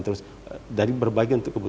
dari kebutuhan berbagai alur discernity het etr